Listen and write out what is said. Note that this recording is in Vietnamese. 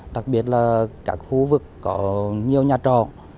đặc biệt là các khu vực có nhiều nhà trọ